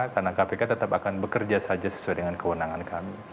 karena kpk tetap akan bekerja saja sesuai dengan kewenangan kami